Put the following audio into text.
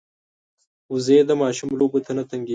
وزې د ماشوم لوبو ته نه تنګېږي